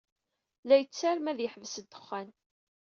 La yettarem ad yeḥbes ddexxan.